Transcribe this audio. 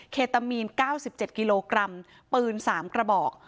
เคตามีน๙๗กิโลกรัมปืน๓กระบอก